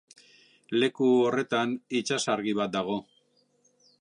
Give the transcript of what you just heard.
Leku horretan itsasargi bat dago.